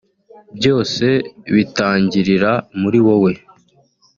Byose bitangirira muri wowe